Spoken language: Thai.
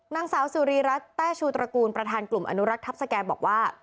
นางสาวสุรีรัฐแต้ชูตระกูลประธานกลุ่มอนุรักษ์ทัพสแก่บอกว่า